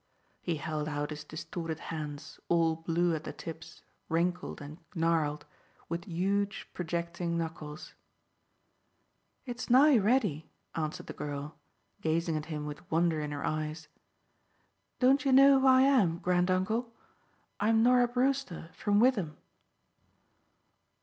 He held out his distorted hands, all blue at the tips, wrinkled and gnarled, with huge, projecting knuckles. "It's nigh ready," answered the girl, gazing at him with wonder in her eyes. "Don't you know who I am, granduncle? I am Norah Brewster from Witham."